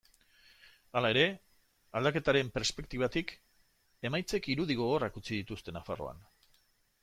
Hala ere, aldaketaren perspektibatik, emaitzek irudi gogorrak utzi dituzte Nafarroan.